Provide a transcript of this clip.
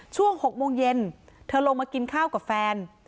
ช่วง๖โมงเย็นเธอลงมากินข้าวกับแฟน